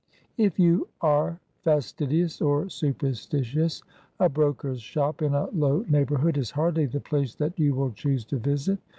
If you are fastidious or superstitious, a broker's shop in a low neighbourhood is hardly the place that you will choose to visit.